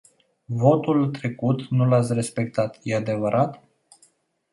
Votul trecut nu l-ați respectat, e adevărat?